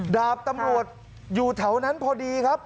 ดาบตำรวจอยู่แถวนั้นพอดีครับ